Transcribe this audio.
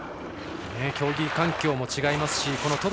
競技環境も違いますしね。